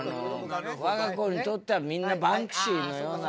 我が子にとってはみんなバンクシーのような。